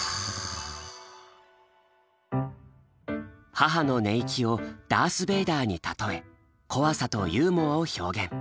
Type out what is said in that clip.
母の寝息を「ダースベイダー」に例え怖さとユーモアを表現。